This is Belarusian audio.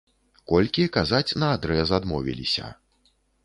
Колькі, казаць наадрэз адмовіліся.